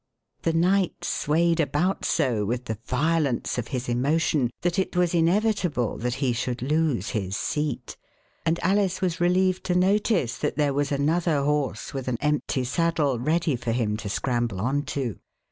The Knight swayed about so with the violence of his emotion that it was inevitable that he should lose his seat, and Alice was relieved to notice that there was another horse with an empty saddle ready for him to scramble on to.